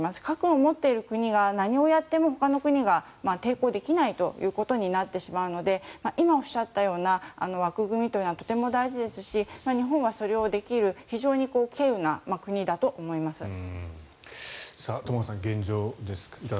核を持っている国が何をやってもほかの国が抵抗できないということになってしまうので今おっしゃったような枠組みというのはとても大事ですし日本はそれをできる非常に希有な国だと思います。